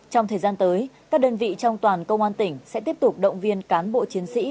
trong thời gian tới các đơn vị trong toàn công an tỉnh sẽ tiếp tục động viên cán bộ chiến sĩ